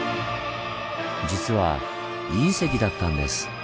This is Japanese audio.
実は隕石だったんです。